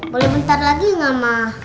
boleh bentar lagi gak mah